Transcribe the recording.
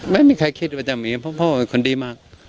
ไม่มีใครคิดว่าจะมีเพราะพ่อเป็นคนดีมาก